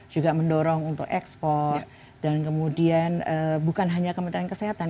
juga mendorong untuk ekspor dan kemudian bukan hanya kementerian kesehatan